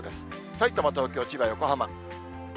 さいたま、東京、千葉、横浜。